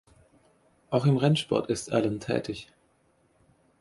Auch im Rennsport ist Allen tätig.